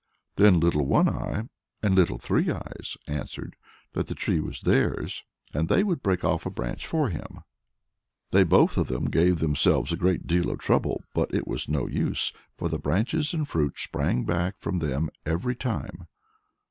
Then Little One Eye and Little Three Eyes answered that the tree was theirs, and they would break off a branch for him. They both of them gave themselves a great deal of trouble, but it was no use, for the branches and fruit sprang back from them every time.